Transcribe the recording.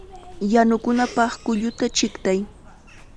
¡Yanukunapaq kulluta chiqtay!